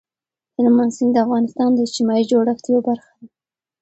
هلمند سیند د افغانستان د اجتماعي جوړښت یوه برخه ده.